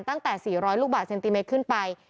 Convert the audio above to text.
ตั้งแต่๔๐๐ลูกบาทเซนติเมตรขึ้นไป